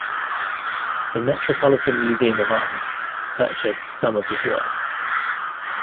The Metropolitan Museum of Art purchased some of his works.